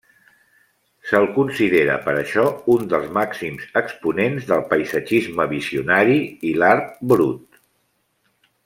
Se'l considera per això un dels màxims exponents del paisatgisme visionari i l'art brut.